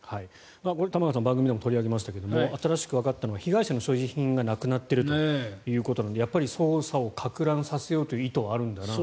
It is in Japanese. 玉川さん番組でも取り上げましたが新しくわかったのは被害者の所持品がなくなっているということなのでやっぱり捜査をかく乱させようという意図はあるんだなと。